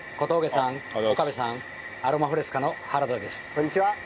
こんにちは。